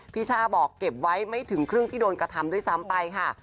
ช่าบอกเก็บไว้ไม่ถึงครึ่งที่โดนกระทำด้วยซ้ำไปค่ะ